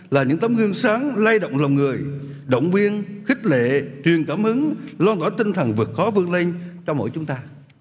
là những tấm gương sáng lay động lòng người động viên khích lệ truyền cảm hứng lo gõ tinh thần vượt khó vươn lên cho mỗi chúng ta